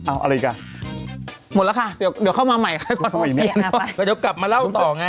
อ้าวเอาอีกก่อนหมดแล้วค่ะเดี๋ยวเข้ามาใหม่ค่ะก่อนก็จะกลับมาเล่าต่อไง